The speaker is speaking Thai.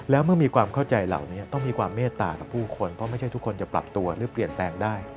แล้วเมื่อมีความเข้าใจเหล่านี้ต้องมีความเมตตากับผู้คนเพราะไม่ใช่ทุกคนจะปรับตัวหรือเปลี่ยนแปลงได้